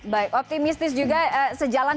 baik optimistis juga sejalan dengan masyarakat ini